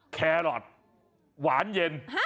แครอทหวานเย็น